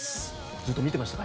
ずっと見てましたか？